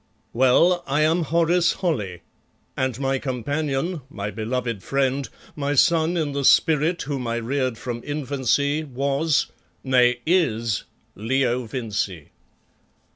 Well, I am Horace Holly, and my companion, my beloved friend, my son in the spirit whom I reared from infancy was nay, is Leo Vincey.